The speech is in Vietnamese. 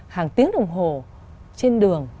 hàng tiếng đồng hồ trên đường